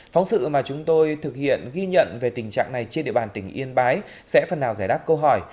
phóng sự mà chúng tôi thực hiện ghi nhận về tình trạng này trên địa bàn tỉnh yên bái sẽ phần nào giải đáp câu hỏi